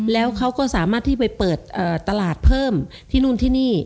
แล้วเขาก็สามารถที่ไปเปิดตลาดเพิ่มที่นู่นที่นี่